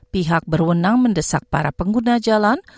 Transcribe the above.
pihak berwenang mendesak para pengguna jalan